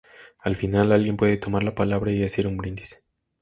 Al final alguien puede tomar la palabra y hacer un brindis.